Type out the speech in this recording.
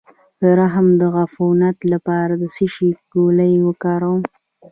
د رحم د عفونت لپاره د څه شي ګولۍ وکاروم؟